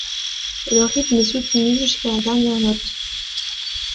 Le rythme est soutenu jusqu'à la dernière note.